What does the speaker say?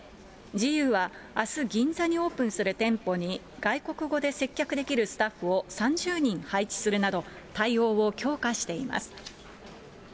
ＧＵは、あす、銀座にオープンする店舗に外国語で接客できるスタッフを３０人配置するなど、対応を強化しています。